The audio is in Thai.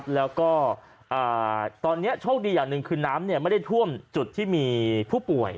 แล้วก็ตอนนี้โชคดีอย่างหนึ่งคือน้ำไม่ได้ท่วมจุดที่มีผู้ป่วย